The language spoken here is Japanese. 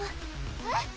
えっ？